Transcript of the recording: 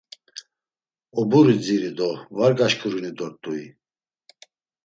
Oburi dziri do var gaşǩurinu dort̆ui?